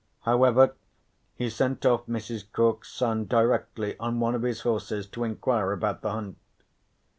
However, he sent off Mrs. Cork's son directly on one of his horses to enquire about the hunt.